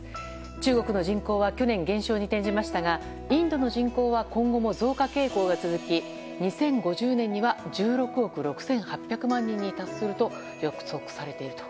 中国の人口は去年、減少に転じましたがインドの人口は今後も増加傾向が続き２０５０年には１６億６８００万人に達すると予測されています。